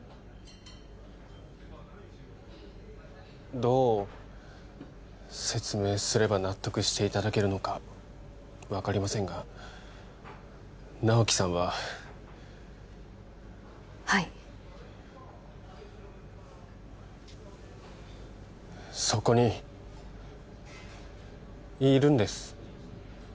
どう説明すれば納得していただけるのか分かりませんが直木さんははいそこにいるんです